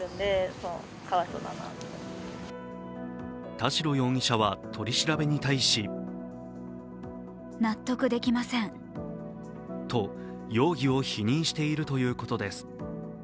田代容疑者は取り調べに対しとと容疑を否認しているということです。